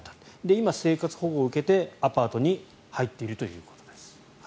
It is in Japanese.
今、生活保護を受けてアパートに入っているということです。